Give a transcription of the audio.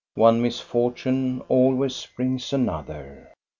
One misfortune always brings another.